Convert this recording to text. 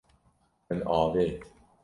Min avêt.